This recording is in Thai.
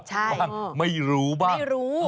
บางทีอ่ะไม่รู้บ้าง